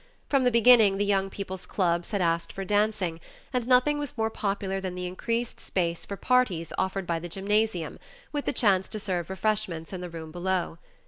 From the beginning the young people's clubs had asked for dancing, and nothing was more popular than the increased space for parties offered by the gymnasium, with the chance to serve refreshments in the room below.